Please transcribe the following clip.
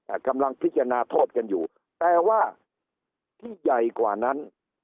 กำลังพิจารณาโทษกันอยู่แต่ว่าที่ใหญ่กว่านั้น